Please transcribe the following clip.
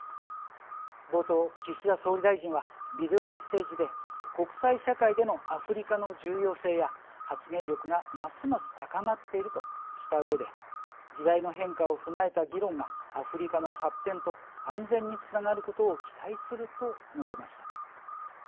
冒頭、岸田総理大臣はビデオメッセージで国際社会でのアフリカの重要性や発言力がますます高まっているとしたうえで時代の変化を踏まえた議論がアフリカの発展と安全につながること期待すると述べました。